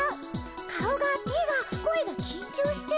顔が手が声がきんちょうしてる。